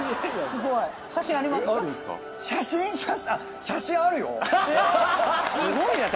すごいな！